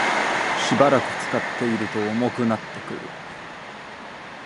しばらく使っていると重くなってくる